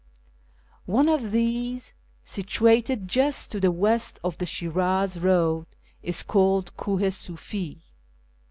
One of these, situated just to the west of the Shiraz road, is called Kilh i Snfi.